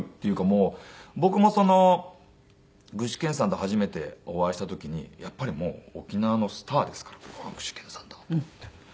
もう僕も具志堅さんと初めてお会いした時にやっぱり沖縄のスターですからうわー具志堅さんだと思って。